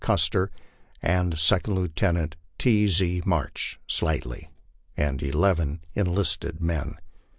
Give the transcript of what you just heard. Custer, and Second Lieutenant T. E. March (slightly), and eleven enlisted men.